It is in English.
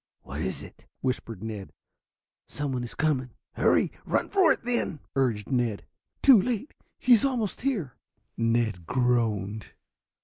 "What is it?" whispered Ned. "Someone is coming." "Hurry! Run for it, then!" urged Ned. "Too late. He is almost here." Ned groaned.